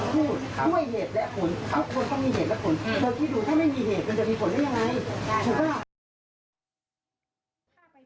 ถูกบ้า